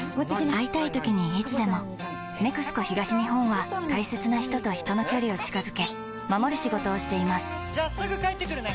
会いたいときにいつでも「ＮＥＸＣＯ東日本」は大切な人と人の距離を近づけ守る仕事をしていますじゃあすぐ帰ってくるね！